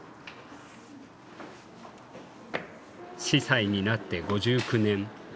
司祭になって５９年。